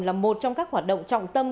là một trong các hoạt động trọng tâm